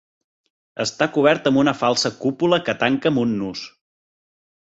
Està cobert amb una falsa cúpula que tanca amb un nus.